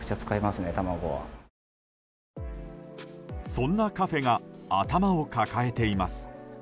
そんなカフェが頭を抱えています。